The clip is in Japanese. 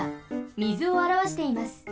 みずをあらわしています。